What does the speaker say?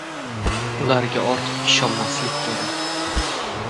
Ularga ortiq ishonmaslik kerak.